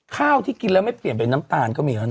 ข้าวที่กินแล้วไม่เปลี่ยนเป็นน้ำตาลก็มีแล้วนะ